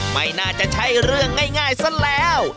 ไม่น่าจะใช่เรื่องง่ายซะแล้ว